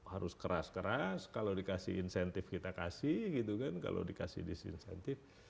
harus keras keras kalau dikasih insentif kita kasih gitu kan kalau dikasih disinsentif